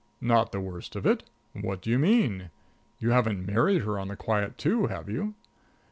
"Not the worst of it! What do you mean! You haven't married her on the quiet, too, have you?"